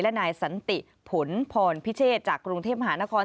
และนายสันติผลพรพิเชษจากกรุงเทพมหานคร